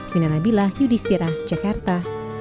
minanabilah yudistira jakarta